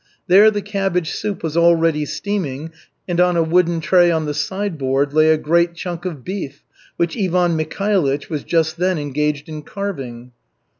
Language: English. There the cabbage soup was already steaming and on a wooden tray on the sideboard lay a great chunk of beef, which Ivan Mikhailych was just then engaged in carving.